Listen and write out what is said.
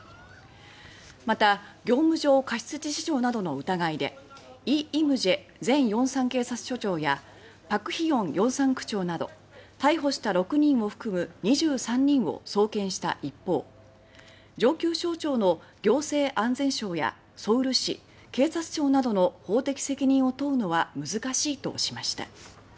また業務上過失致死傷などの疑いでイ・イムジェ前龍山警察署長やパク・ヒヨン龍山区長など逮捕した６人を含む２３人を送検した一方上級省庁の行政安全省やソウル市、警察庁などの法的責任を問うのは難しいとしました。